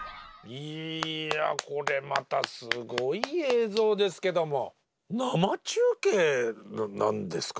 いやこれまたすごい映像ですけども生中継なんですか？